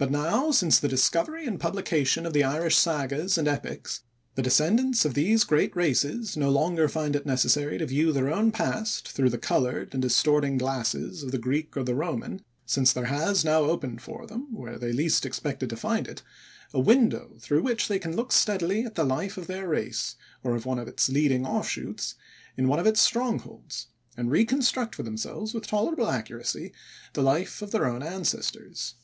But now since the discovery and publication of the Irish sagas and epics, the descendants of these great races no longer find it necessary to view their own past through the colored and distorting glasses of the Greek or the Roman, since there has now opened for them, where they least expected to find it, a window through which they can look steadily at the life of their race, or of one of its leading offshoots, in one of its strongholds, and reconstruct for themselves with tolerable accuracy the life of their own ancestors.